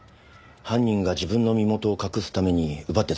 犯人が自分の身元を隠すために奪って使ったんでしょう。